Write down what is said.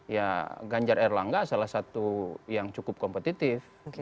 ya ganjar erlangga salah satu yang cukup kompetitif